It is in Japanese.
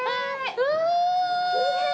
うわ！